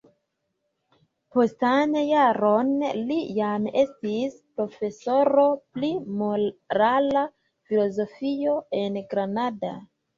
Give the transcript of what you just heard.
Postan jaron li jam estis profesoro pri morala filozofio en Granada.